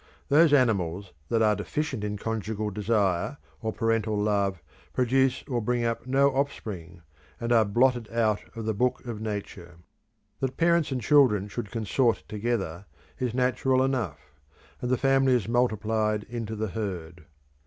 Those animals that are deficient in conjugal desire or parental love produce or bring up no offspring, and are blotted out of the book of Nature. That parents and children should consort together is natural enough; and the family is multiplied into the herd.